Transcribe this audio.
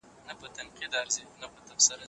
کچالو په اوبو کي نه خرابیږي.